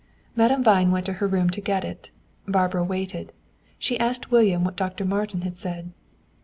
Madame Vine went to her room to get it. Barbara waited. She asked William what Dr. Martin said.